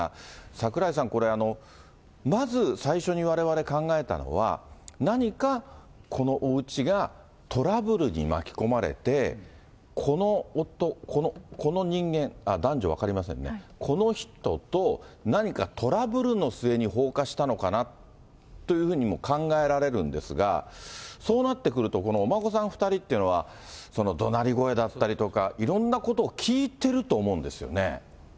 櫻井さん、これ、まず最初にわれわれ考えたのは、何かこのおうちがトラブルに巻き込まれて、この人間、男女分かりませんね、この人と何かトラブルの末に放火したのかなっていうふうにも考えられるんですが、そうなってくると、このお孫さん２人っていうのは、そのどなり声だったりとか、いろんなことを聞いてると思うんですよね。